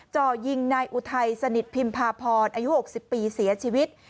จ่อยิงนายอุทัยสนิทพิมพาพรอายุ๖๐ปีเสียชีวิต